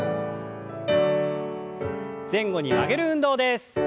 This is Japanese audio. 前後に曲げる運動です。